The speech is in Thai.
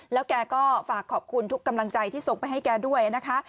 แล้วแกก็ฝากขอบคุณทุกกำลังใจที่ส่งไปให้แกด้วยนะคะ